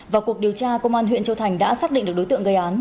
vào cuộc điều tra công an huyện châu thành đã xác định được đối tượng gây án